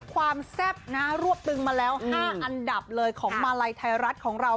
แซ่บนะรวบตึงมาแล้ว๕อันดับเลยของมาลัยไทยรัฐของเรา